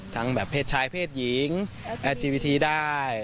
แบบเพศชายเพศหญิงแอร์จีวิธีได้